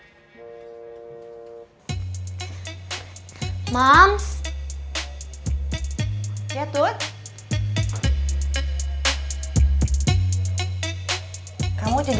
kamu jadi ketemu papa kamu jadi